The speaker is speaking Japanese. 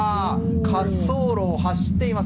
滑走路を走っています。